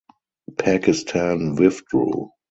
Pakistan withdrew.